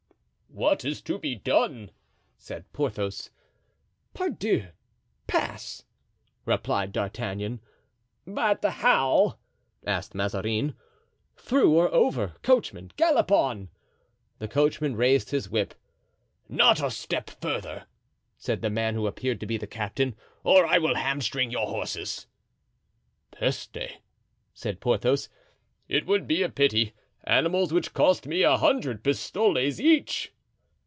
"What is to be done?" said Porthos. "Pardieu! pass," replied D'Artagnan. "But how?" asked Mazarin. "Through or over; coachman, gallop on." The coachman raised his whip. "Not a step further," said the man, who appeared to be the captain, "or I will hamstring your horses." "Peste!" said Porthos, "it would be a pity; animals which cost me a hundred pistoles each."